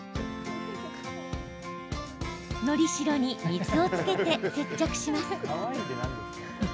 のりしろに水をつけて接着します。